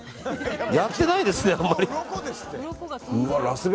やってないですね、あんまり。